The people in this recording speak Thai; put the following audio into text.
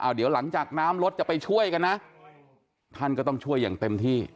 เดี๋ยวหลังจากน้ำรถจะไปช่วยกันนะท่านก็ต้องช่วยอย่างเต็มที่